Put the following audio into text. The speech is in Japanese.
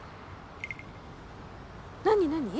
何何？